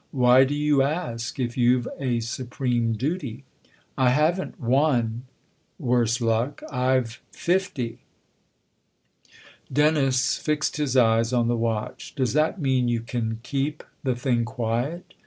" Why do you ask, if you've a supreme duty ?"" I haven't one worse luck. I've fifty." Dennis fixed his eyes on the watch. " Does that mean you can keep the thing quiet